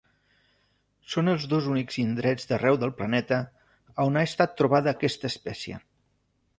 Són els dos únics indrets d'arreu del planeta a on ha estat trobada aquesta espècie.